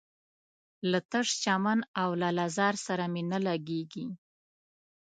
له تش چمن او لاله زار سره مي نه لګیږي